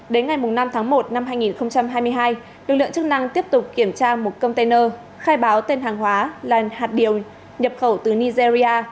đến ngày năm tháng một năm hai nghìn hai mươi hai lực lượng chức năng tiếp tục kiểm tra một container khai báo tên hàng hóa là hạt điều nhập khẩu từ nigeria